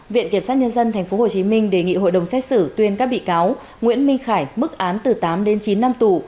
viện kiểm sát nhân dân tp hcm đề nghị hội đồng xét xử tuyên các bị cáo nguyễn minh khải mức án từ tám đến chín năm tù